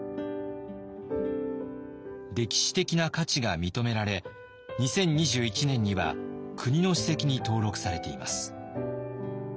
歴史的な価値が認められ２０２１年には国の史跡に登録されています。